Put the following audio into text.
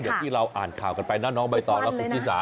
อย่างที่เราอ่านข่าวกันไปนะน้องใบตองและคุณชิสา